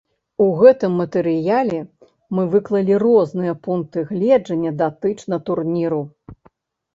У гэтым матэрыяле мы выклалі розныя пункты гледжання датычна турніру.